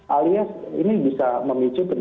alias ini bisa memicu